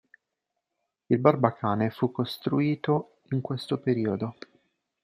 Il barbacane fu costruito in questo periodo.